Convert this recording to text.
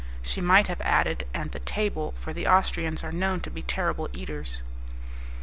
(She might have added, and the table, for the Austrians are known to be terrible eaters.)